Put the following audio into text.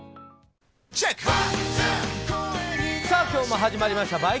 今日も始まりました。